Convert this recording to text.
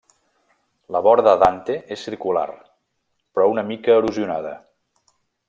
La vora de Dante és circular, però una mica erosionada.